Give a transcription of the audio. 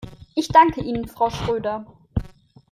Ich danke Ihnen, Frau Schröder.